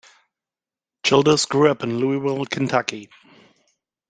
Childers grew up in Louisville, Kentucky.